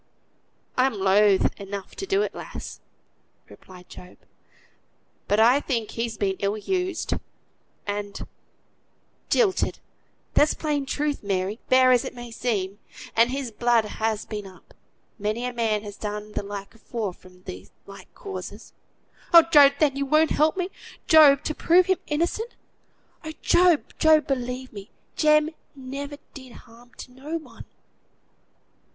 "I'm loth enough to do it, lass," replied Job; "but I think he's been ill used, and jilted (that's plain truth, Mary, hard as it may seem), and his blood has been up many a man has done the like afore, from like causes." "Oh, God! Then you won't help me, Job, to prove him innocent? Oh! Job, Job; believe me, Jem never did harm to no one."